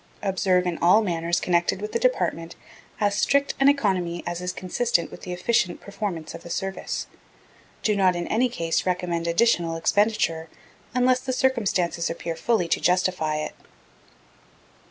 Observe in all matters connected with the Department as strict an economy as is consistent with the efficient performance of the Service. Do not in any case recommend additional expenditure unless the circumstances appear fully to justify it.